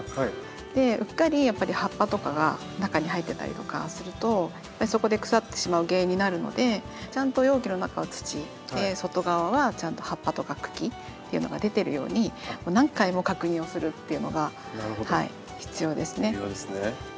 でうっかりやっぱり葉っぱとかが中に入ってたりとかするとそこで腐ってしまう原因になるのでちゃんと容器の中は土外側はちゃんと葉っぱとか茎っていうのが出てるように何回も確認をするっていうのが必要ですね。